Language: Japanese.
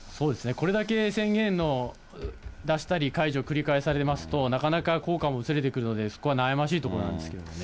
これだけ宣言を出したり、解除繰り返されますと、なかなか効果も薄れてくるので、そこは悩ましいところなんですけどね。